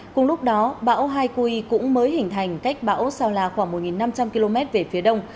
cùng lúc đó bão haikui cũng mới hình thành cách bão sao la khoảng một năm trăm linh km về phía đông